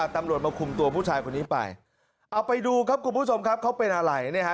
ตำรวจมาคุมตัวผู้ชายคนนี้ไปเอาไปดูครับคุณผู้ชมครับเขาเป็นอะไร